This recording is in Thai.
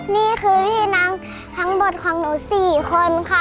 นี่คือพี่น้องทั้งหมดของหนู๔คนค่ะ